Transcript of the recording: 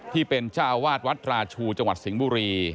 ที่เป็นเจ้าอาวาสวัดราชูจังหวัดสิงห์บุรี